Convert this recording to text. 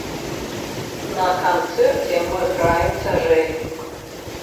На канцэрце мы граем цяжэй.